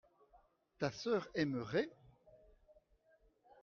ta sœur aimerait.